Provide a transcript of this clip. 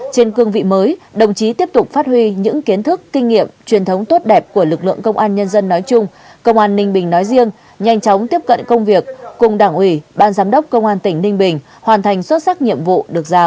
trên cương vị mới đồng chí tiếp tục phát huy những kiến thức kinh nghiệm truyền thống tốt đẹp của lực lượng công an nhân dân nói chung công an ninh bình nói riêng nhanh chóng tiếp cận công việc cùng đảng ủy ban giám đốc công an tỉnh ninh bình hoàn thành xuất sắc nhiệm vụ được giao